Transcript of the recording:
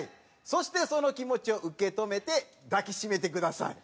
そしてその気持ちを受け止めて抱きしめてください。